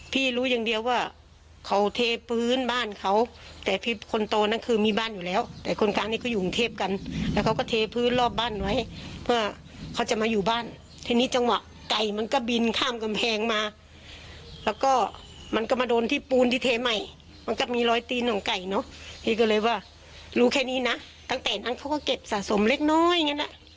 พี่รู้อย่างเดียวว่าเขาเทพื้นบ้านเขาแต่พี่คนโตนั้นคือมีบ้านอยู่แล้วแต่คนกลางนี้เขาอยู่กรุงเทพกันแล้วเขาก็เทพื้นรอบบ้านไว้เพื่อเขาจะมาอยู่บ้านทีนี้จังหวะไก่มันก็บินข้ามกำแพงมาแล้วก็มันก็มาโดนที่ปูนที่เทใหม่มันก็มีรอยตีนของไก่เนอะพี่ก็เลยว่ารู้แค่นี้นะตั้งแต่นั้นเขาก็เก็บสะสมเล็กน้อยอย่างนั้นอ่ะ